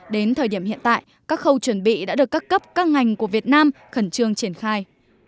đến thời điểm hiện tại các khâu chuẩn bị đã được các cấp các ngành của việt nam khẩn trương triển khai